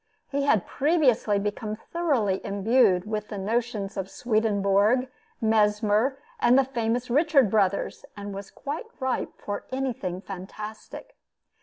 He had previously become thoroughly imbued with the notions of Swedenborg, Mesmer, and the famous Richard Brothers, and was quite ripe for anything fantastic.